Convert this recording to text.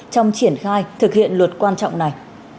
trong triển khai thực hiện luật quan trọng này